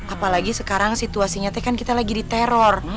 apalagi sekarang situasinya kan kita lagi di teror